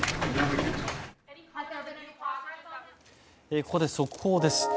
ここで速報です。